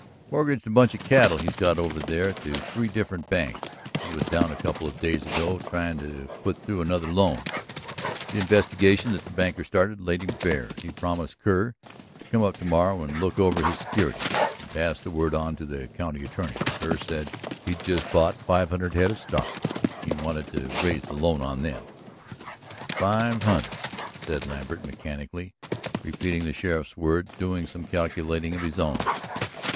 "Mortgaged a bunch of cattle he's got over there to three different banks. He was down a couple of days ago tryin' to put through another loan. The investigation that banker started laid him bare. He promised Kerr to come up tomorrow and look over his security, and passed the word on to the county attorney. Kerr said he'd just bought five hundred head of stock. He wanted to raise the loan on them." "Five hundred," said Lambert, mechanically repeating the sheriff's words, doing some calculating of his own.